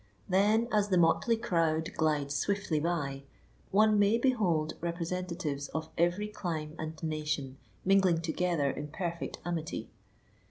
Then, as the motley crowd glides swiftly by, one may behold representatives of every clime and nation mingling together in perfect amity.